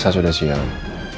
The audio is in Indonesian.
elsah sudah siap